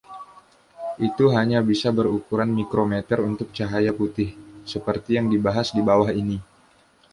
Itu hanya bisa berukuran mikrometer untuk cahaya putih, seperti yang dibahas di bawah ini.